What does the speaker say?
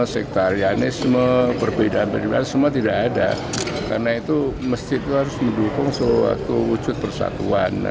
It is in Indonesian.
sekretaris jenderal dmi iman adarvini mengatakan masjid mestinya menjadi sarana untuk mewujudkan persatuan